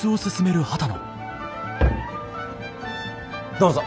どうぞ。